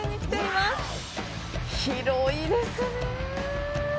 広いですね。